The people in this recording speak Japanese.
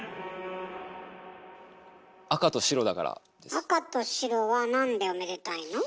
赤と白はなんでおめでたいの？